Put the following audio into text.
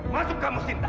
masuk kamu cinta